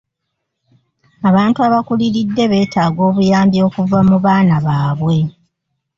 Abantu abakuliridde beetaaga obuyambi okuva mu baana baabwe.